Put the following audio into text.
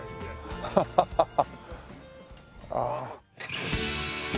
ハハハハ。